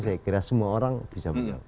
saya kira semua orang bisa menang